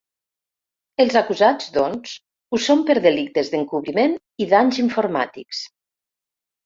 Els acusats, doncs, ho són per delictes d’encobriment i danys informàtics.